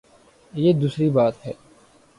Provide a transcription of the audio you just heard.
یہ دوسری بات ہے۔